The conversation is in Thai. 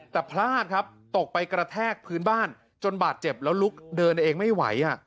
แต่พลาดครับตกไปกระแทกพื้นบ้านจนบาดเจ็บแล้วลุกเดินเองไม่ไหว